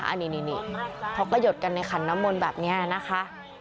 อันนี้เขาก็หยดกันในขันน้ำมนต์แบบนี้นะคะ